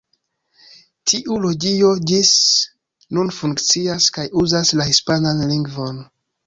Tiu loĝio ĝis nun funkcias kaj uzas la hispanan lingvon.